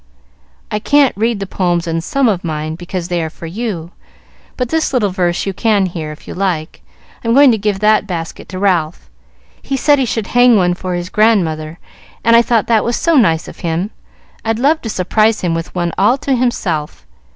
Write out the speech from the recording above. "I can't read the poems in some of mine, because they are for you; but this little verse you can hear, if you like: I'm going to give that basket to Ralph. He said he should hang one for his grandmother, and I thought that was so nice of him, I'd love to surprise him with one all to himself.